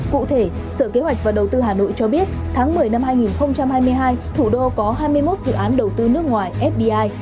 cụ thể sở kế hoạch và đầu tư hà nội cho biết tháng một mươi năm hai nghìn hai mươi hai thủ đô có hai mươi một dự án đầu tư nước ngoài fdi